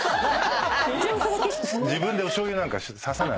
自分でおしょうゆなんかささない。